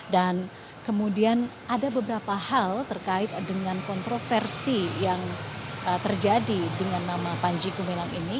dan kemudian ada beberapa hal terkait dengan kontroversi yang terjadi dengan nama panji gumilang ini